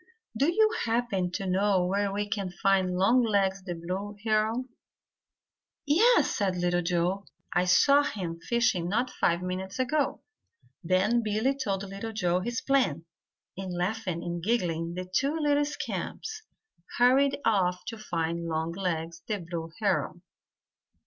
"Do you happen to know where we can find Longlegs the Blue Heron?" "Yes," said Little Joe. "I saw him fishing not five minutes ago." Then Billy told Little Joe his plan, and laughing and giggling, the two little scamps hurried off to find Longlegs the Blue Heron.